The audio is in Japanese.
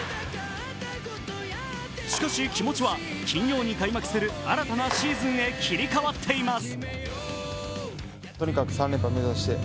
しかし、気持ちは金曜に開幕する新たなシーズンへ切り替わっています。